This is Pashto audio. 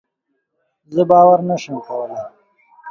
زه باور نشم کولی.